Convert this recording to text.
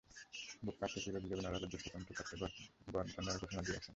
Vote কারচুপির অভিযোগে নড়াইলের দুই স্বতন্ত্র প্রার্থী ভোট বর্জনের ঘোষণা দিয়েছেন।